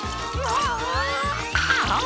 ああ。